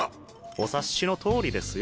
お察しの通りですよ。